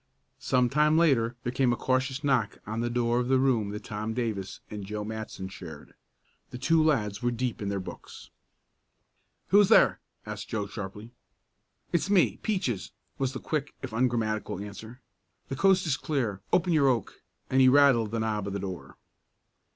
Some time later there came a cautious knock on the door of the room that Tom Davis and Joe Matson shared. The two lads were deep in their books. "Who's there?" asked Joe sharply. "It's me Peaches," was the quick if ungrammatical answer. "The coast is clear open your oak," and he rattled the knob of the door.